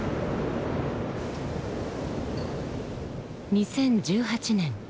２０１８年